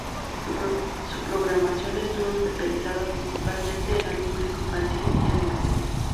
Su programación estuvo especializada principalmente en el público infantil y adolescente.